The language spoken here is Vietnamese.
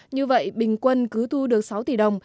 như vậy bình quân cứ thu được sáu tỷ đồng